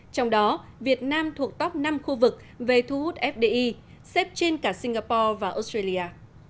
trong đó việt nam thuộc top năm khu vực về thu hút fdi xếp trên cả singapore và australia